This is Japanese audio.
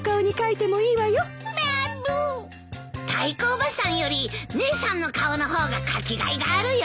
タイコおばさんより姉さんの顔の方が書きがいがあるよ。